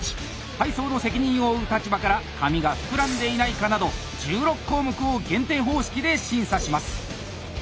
配送の責任を負う立場から「紙が膨らんでいないか」など１６項目を減点方式で審査します。